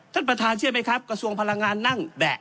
ท่านประธานเชื่อไหมครับกระทรวงพลังงานนั่งแบะ